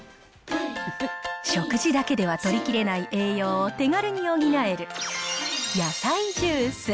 食事だけではとりきれない栄養を手軽に補える野菜ジュース。